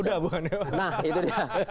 nah itu dia